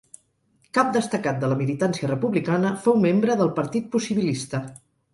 Cap destacat de la militància republicana fou membre del Partit Possibilista.